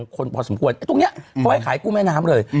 คนพอสมควรตรงนี้เขาให้ขายกู้แม่น้ำเลย